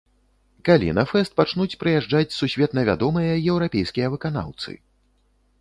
Калі на фэст пачнуць прыязджаць сусветна вядомыя еўрапейскія выканаўцы?